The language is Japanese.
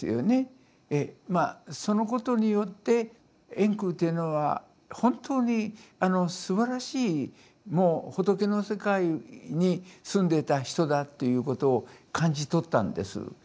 そのことによって円空というのは本当にすばらしいもう仏の世界に住んでた人だということを感じ取ったんです。